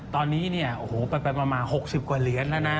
ตอนนี้ประมาณ๖๐กว่าเหรียญแล้วนะ